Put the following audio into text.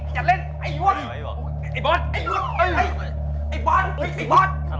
อย่างงั้น